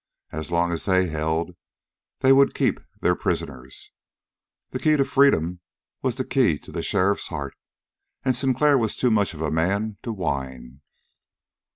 As long as they held, they would keep their prisoners. The key to freedom was the key to the sheriff's heart, and Sinclair was too much of a man to whine.